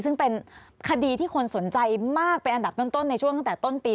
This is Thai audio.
ซึ่งเป็นคดีที่คนสนใจมากเป็นอันดับต้นในช่วงตั้งแต่ต้นปี